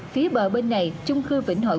phía bờ bên này chung cư vĩnh hội